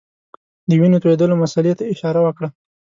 د وینو تویېدلو مسلې ته اشاره وکړه.